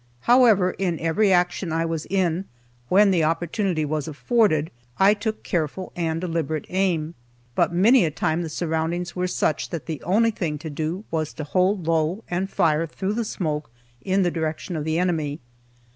However, in every action I was in, when the opportunity was afforded, I took careful and deliberate aim, but many a time the surroundings were such that the only thing to do was to hold low, and fire through the smoke in the direction of the enemy.